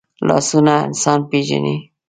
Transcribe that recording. لاسونه انسان پېژني